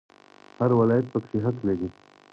هر ولایت پکې حق لري